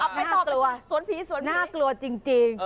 น่ากลัวสวนผีสวนผีน่ากลัวจริง